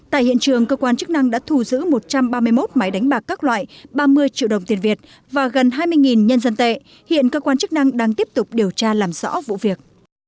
tại hiện trường cơ quan chức năng đã thù giữ một trăm ba mươi một máy đánh bạc các loại ba mươi triệu đồng tiền việt và gần hai mươi nhân dân tệ hiện cơ quan chức năng đang tiếp tục điều tra làm rõ vụ việc